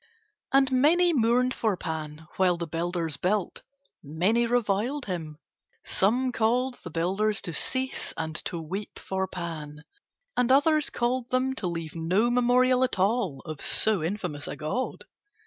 And many mourned for Pan while the builders built; many reviled him. Some called the builders to cease and to weep for Pan and others called them to leave no memorial at all of so infamous a god.